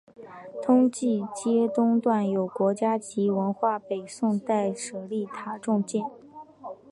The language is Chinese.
通济街东段有国家级文物北宋代舍利塔重建。